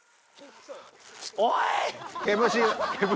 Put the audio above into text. おい！